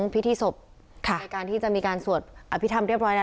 พิธีศพในการที่จะมีการสวดอภิษฐรรมเรียบร้อยแล้ว